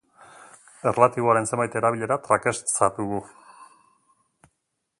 Erlatiboaren zenbait erabilera trakestzat dugu.